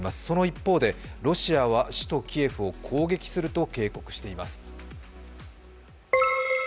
その一方でロシアは首都キエフを攻撃すると警告しています。